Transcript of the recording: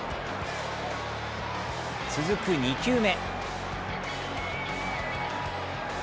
続く２球目。